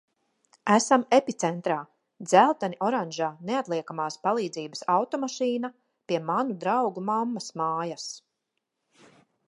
Esam epicentrā! Dzelteni oranžā neatliekamās palīdzības automašīna pie manu draugu mammas mājas.